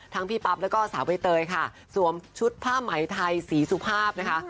พี่ปั๊บแล้วก็สาวใบเตยค่ะสวมชุดผ้าไหมไทยสีสุภาพนะคะ